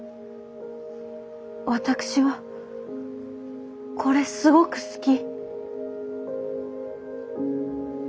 私はこれすごく好き。